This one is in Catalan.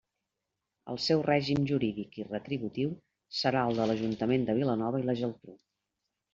El seu règim jurídic i retributiu serà el de l'Ajuntament de Vilanova i la Geltrú.